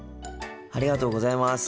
ありがとうございます。